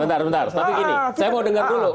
bentar bentar tapi gini saya mau dengar dulu